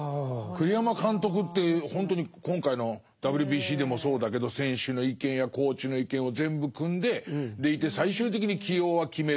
栗山監督ってほんとに今回のＷＢＣでもそうだけど選手の意見やコーチの意見を全部くんででいて最終的に起用は決めると。